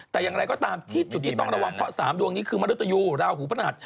แต่ยังไงก็ตามที่ที่ต้องระวังเพราะ๓วันนี้คือมรุตจิธรรมพณธ